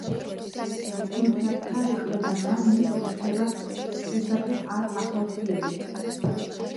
თუმცა ცარი ყველა მის უფლებას პირდაპირ არ ახორციელებს.